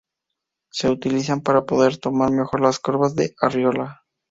Se utilizan para poder tomar mejor las curvas de Arriola.